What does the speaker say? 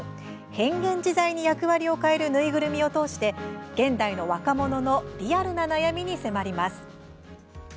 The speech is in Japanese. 変幻自在に役割を変える縫いぐるみを通して現代の若者のリアルな悩みに迫ります。